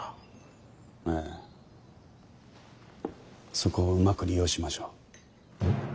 そこをうまく利用しましょう。